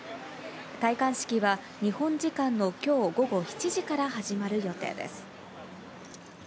戴冠式は日本時間のきょう午後７時から始まる予定です。